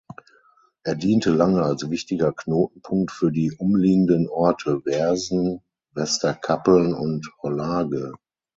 Er diente lange als wichtiger Knotenpunkt für die umliegenden Orte Wersen, Westerkappeln und Hollage.